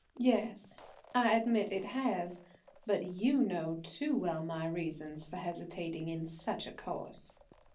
"Yes, I admit it has. But you know too well my reasons for hesitating in such a course."